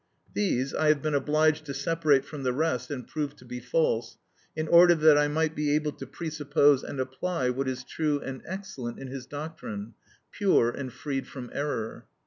These I have been obliged to separate from the rest and prove to be false, in order that I might be able to presuppose and apply what is true and excellent in his doctrine, pure and freed from error.